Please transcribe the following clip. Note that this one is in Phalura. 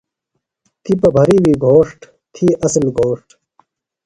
تِپہ بھرِیوی گھوݜٹ تھی اصل گھوݜٹ۔